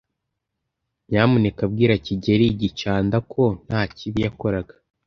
Nyamuneka bwira kigeli gicanda ko nta kibi yakoraga.